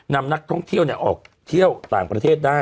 นำนักท่องเที่ยวออกเที่ยวต่างประเทศได้